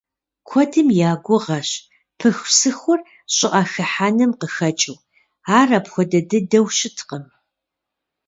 Куэдым я гугъэщ пыхусыхур щӀыӀэ хыхьэным къыхэкӀыу, ар апхуэдэ дыдэу щыткъым.